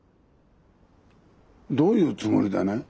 どういうつもりだね？